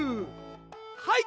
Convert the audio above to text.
はい！